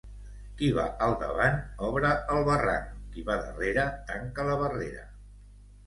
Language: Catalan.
Qui va al davant obre el barranc, qui va darrera tanca la barrera.